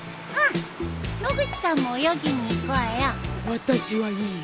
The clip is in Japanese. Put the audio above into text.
私はいいよ。